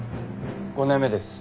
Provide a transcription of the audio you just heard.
５年目です。